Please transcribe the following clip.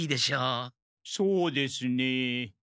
そうですねえ。